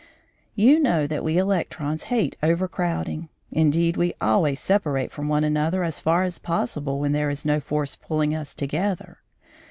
You know that we electrons hate overcrowding; indeed we always separate from one another as far as possible when there is no force pulling us together.